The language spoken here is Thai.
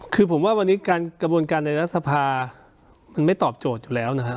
คือผมว่าวันนี้การกระบวนการในรัฐสภามันไม่ตอบโจทย์อยู่แล้วนะฮะ